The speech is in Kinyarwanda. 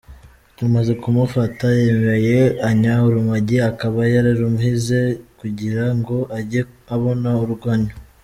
Tumaze kumufata yemeye ko anywa urumogi , akaba yararuhinze kugira ngo ajye abona urwo anywa.